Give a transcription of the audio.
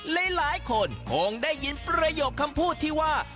หลายคนคงได้ยินประโยคคำพูดที่ว่า